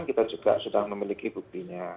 kita juga sudah memiliki buktinya